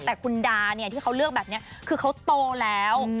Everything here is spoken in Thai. แต่คุณดาเนี่ยที่เขาเลือกแบบนี้คือเขาโตแล้ว